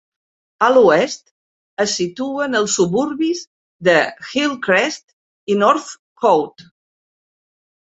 A l'oest, es situen els suburbis de Hillcrest i Northcote.